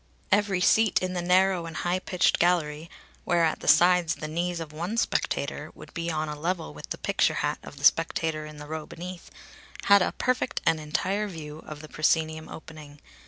Every seat in the narrow and high pitched gallery, where at the sides the knees of one spectator would be on a level with the picture hat of the spectator in the row beneath, had a perfect and entire view of the proscenium opening.